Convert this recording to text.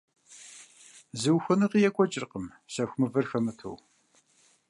Зы ухуэныгъи екӀуэкӀыркъым сэху мывэр хэмыту.